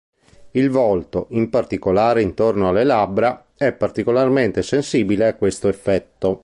Il volto, in particolare intorno alle labbra, è particolarmente sensibile a questo effetto.